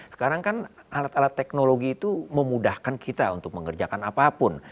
sekarang kan alat alat teknologi itu memudahkan kita untuk mengerjakan apapun